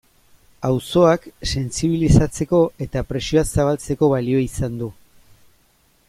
Auzoak sentsibilizatzeko eta presioa zabaltzeko balio izan du.